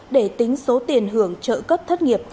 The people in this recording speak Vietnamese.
để tính số tiền hưởng trợ cấp thất nghiệp